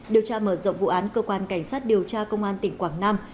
điều tra mở rộng vụ án cơ quan cảnh sát điều tra công an tỉnh quảng nam